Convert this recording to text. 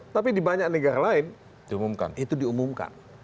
tapi di banyak negara lain diumumkan itu diumumkan